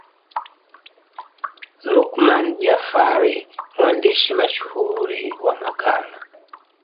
Luqman Jafari mwandishi mashuhuri wa Makala